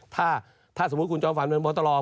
ถ้าสมมุติคุณจอมฟันเป็นโพสต์ตลอด